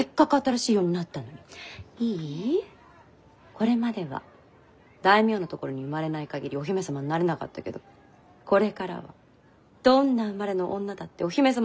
これまでは大名のところに生まれない限りお姫様になれなかったけどこれからはどんな生まれの女だってお姫様になれるんだから！